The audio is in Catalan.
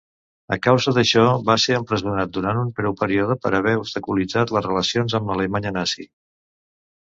A causa d'això, va ser empresonat durant un breu període per haver obstaculitzat les relacions amb l'Alemanya nazi.